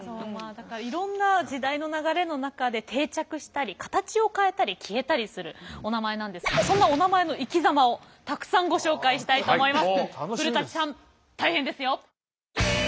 いろんな時代の流れの中で定着したり形を変えたり消えたりするおなまえなんですがそんなおなまえの生きざまをたくさんご紹介したいと思います。